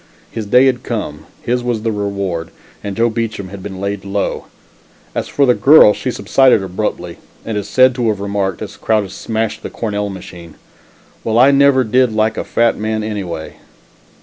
His day had come, his was the reward, and Joe Beacham had been laid low. As for the girl, she subsided abruptly, and is said to have remarked, as Crowdis smashed the Cornell machine: "Well, I never did like a fat man anyway!"